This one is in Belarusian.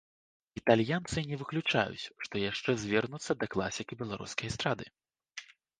Італьянцы не выключаюць, што яшчэ звернуцца да класікі беларускай эстрады.